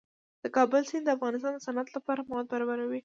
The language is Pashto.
د کابل سیند د افغانستان د صنعت لپاره مواد برابروي.